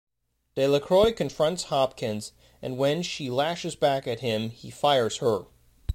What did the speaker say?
Delacroix confronts Hopkins, and when she lashes back at him, he fires her.